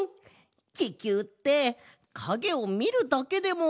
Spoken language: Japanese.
ききゅうってかげをみるだけでものりたくなるね。